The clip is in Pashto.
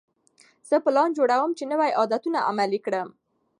زه پلان جوړوم چې نوي عادتونه عملي کړم.